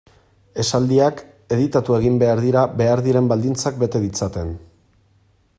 Esaldiak editatu egin behar dira behar diren baldintzak bete ditzaten.